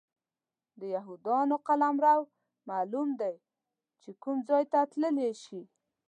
د یهودانو قلمرو معلوم دی چې کوم ځای ته تللی شي.